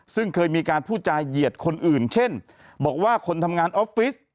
ซึ่งเคยมีการพูดจาเหยียดคนอื่นเช่นบอกว่าคนทำงานออฟฟิศ